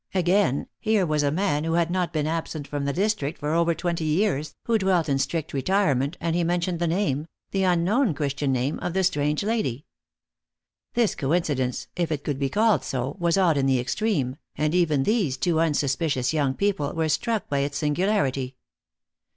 Again, here was a man who had not been absent from the district for over twenty years, who dwelt in strict retirement, and he mentioned the name the unknown Christian name of the strange lady. This coincidence if it could be called so was odd in the extreme, and even these two unsuspicious young people were struck by its singularity.